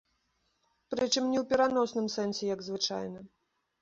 Прычым, не у пераносным сэнсе, як звычайна.